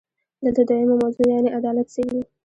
دلته دویمه موضوع یعنې عدالت څېړو.